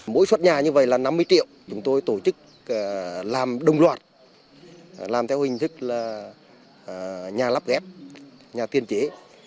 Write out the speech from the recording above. mỗi suất nhà như vậy là năm mươi triệu chúng tôi tổ chức làm đồng loạt làm theo hình thức là nhà lắp ghép nhà tiên chế